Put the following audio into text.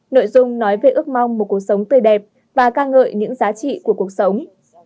nội dung nói về ước mong một cuộc sống tươi đẹp và ca ngợi những giá trị của cuộc sống